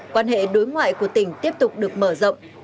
quan hệ đối ngoại của tỉnh tiếp tục được mở rộng